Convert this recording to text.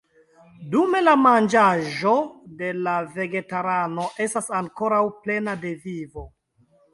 Dume la manĝaĵo de la vegetarano estas ankoraŭ plena de vivo.